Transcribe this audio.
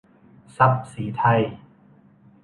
ทรัพย์ศรีไทย